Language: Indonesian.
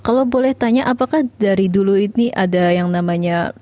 kalau boleh tanya apakah dari dulu ini ada yang namanya